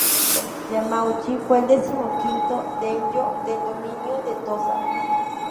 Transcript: Yamauchi fue el decimoquinto daimyō del dominio de Tosa.